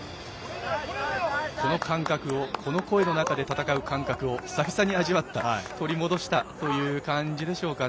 この声の中で戦う感覚を久々に味わった、取り戻したという感じでしょうかね。